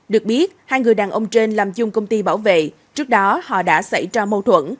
được biết hai người đàn ông trên làm chung công ty bảo vệ trước đó họ đã xảy ra mâu thuẫn